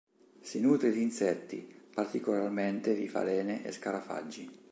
Si nutre di insetti, particolarmente di falene e scarafaggi.